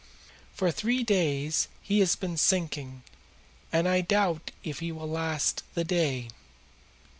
"For three days he has been sinking, and I doubt if he will last the day.